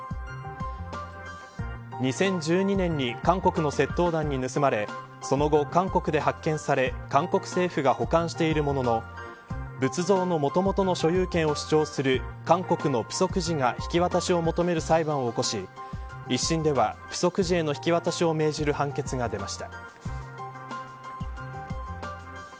２０１２年に韓国の窃盗団に盗まれその後、韓国で発見され韓国政府が保管しているものの仏像のもともとの所有権を主張する韓国の浮石寺が引き渡しを求める裁判を起こし一審では、浮石寺への引き渡しを命じる判決が出ました。